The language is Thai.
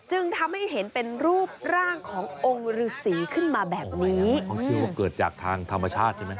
จึงทำให้เห็นเป็นรูปร่างขององค์ฤษีขึ้นมาแบบนี้อ๋อชื่อว่าเกิดจากทางธรรมชาติใช่ไหม